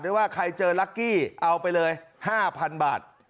ได้ว่าใครเจอลักกี้เอาไปเลย๕๐๐๐บาท